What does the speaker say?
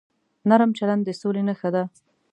نرم چلند د سولې نښه ده.